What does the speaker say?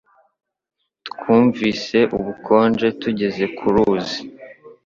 Twumvise ubukonje tugeze ku ruzi.